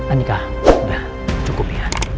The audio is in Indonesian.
anika udah cukup ya